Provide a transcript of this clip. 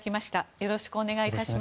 よろしくお願いします。